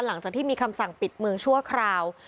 หลังจากที่มีคำสั่งปิดเมืองชั่วคราว